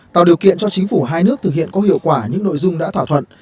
tạo điều kiện cho chính phủ hai nước thực hiện có hiệu quả những nội dung đã thỏa thuận